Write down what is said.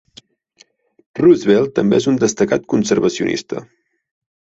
Roosevelt també és un destacat conservacionista.